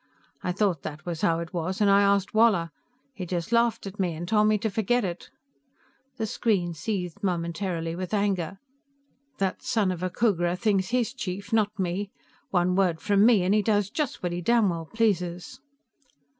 "I thought that was how it was, and I asked Woller. He just laughed at me and told me to forget it." The screen seethed momentarily with anger. "That son of a Khooghra thinks he's chief, not me. One word from me and he does just what he damn pleases!"